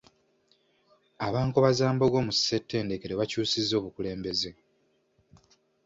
Aba Nkobazambogo mu ssentedekero bakyusizza obukulembeze.